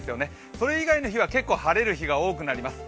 それ以外の日は結構、晴れる日が多くなります。